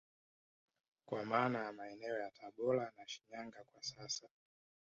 Kwa maana ya maeneo ya tabora na Shinyanga kwa sasa